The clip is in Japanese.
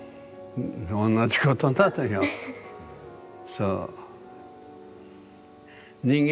そう。